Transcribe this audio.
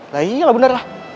nah iyalah bener lah